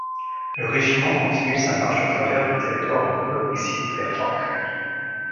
Le régiment continue sa marche au travers du territoire du Nouveau-Mexique vers Fort Craig.